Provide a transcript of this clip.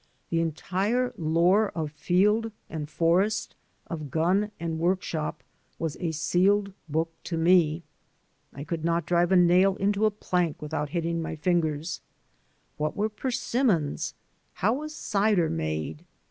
The entire lore of field and forest, of gun and workshop, was a sealed book to me. I could not drive a nail into a plank without hitting my fingers. What were persim mons? How was dder made?